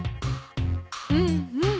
うんうん。